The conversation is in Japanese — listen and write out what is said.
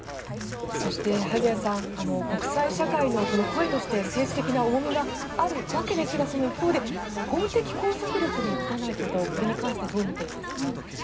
そして萩谷さん国際社会の声として政治的な重みがあるわけですがその一方で法的拘束力を持たないことをこれに関してどう見ていますか？